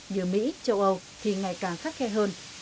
như mỹ châu âu thì ngày càng khắt khe hơn